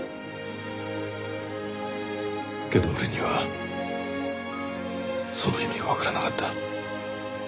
けど俺にはその意味がわからなかった。